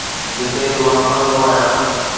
جتي مان پڙهندو آهيان